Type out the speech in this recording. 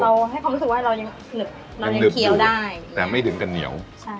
ให้ความรู้สึกว่าเรายังหนึบเรายังเคี้ยวได้แต่ไม่ถึงกับเหนียวใช่